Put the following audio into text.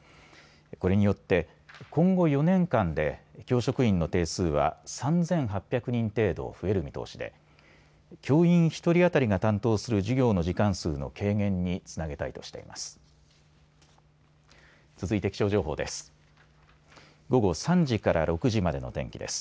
これによって今後４年間で教職員の定数は３８００人程度増える見通しで教員１人当たりが担当する授業の時間数の軽減につなげたいとしています。